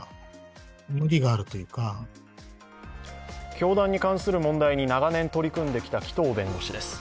教団に関する問題に長年取り組んできた紀藤弁護士です。